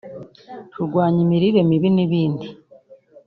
kurwanya imirire mibi n’ibindi